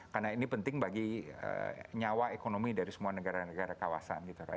karena ini penting bagi nyawa ekonomi dari semua negara negara kawasan